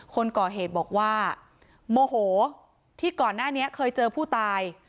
คนก่อเหตุบอกว่าโมโหที่ก่อนหน้านี้เคยเจอผู้ตาย